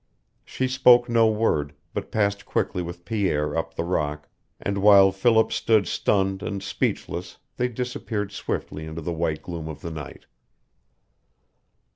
She spoke no word, but passed quickly with Pierre up the rock, and while Philip stood stunned and speechless they disappeared swiftly into the white gloom of the night.